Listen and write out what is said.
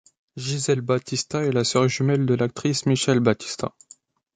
Giselle Batista est la sœur jumelle de l'actrice Michelle Batista.